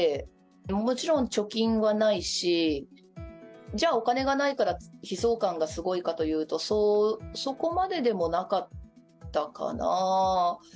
もちろん貯金はないし、じゃあ、お金がないから悲壮感がすごいかというと、そこまででもなかったかなぁ。